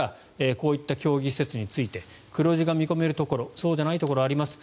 こういった競技施設について黒字が見込めるところそうじゃないところあります